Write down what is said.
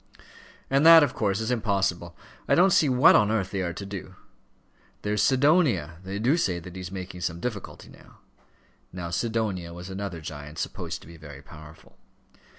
"And that, of course, is impossible. I don't see what on earth they are to do. There's Sidonia; they do say that he's making some difficulty now." Now Sidonia was another giant, supposed to be very powerful.